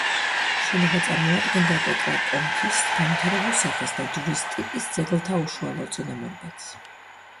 შენობა წარმოადგენდა ტეტრაკონქის განვითარებულ სახეს და ჯვრის ტიპის ძეგლთა უშუალო წინამორბედს.